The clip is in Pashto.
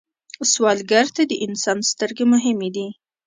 سوالګر ته د انسان سترګې مهمې دي